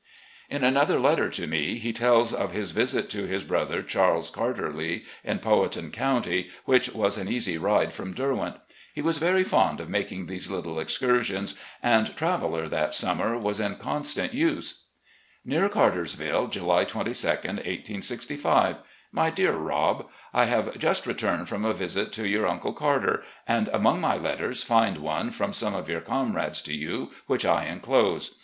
In another letter to me he tells of his visit to his brother Charles Carter Lee, in Powhatan County, which was an easy ride from " Derwent." He was very fond of making these little excursions, and Traveller, that sununer, was in constant use : Cartersville, July 22, 1865. "My Dear Roh: I have just returned from a visit to your Uncle Carter, and, among my letters, find one from 176 RECOLLECTIONS OF GENERAL LEE some of your comrades to you, which I inclose.